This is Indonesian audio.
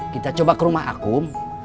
kita coba ke rumah aku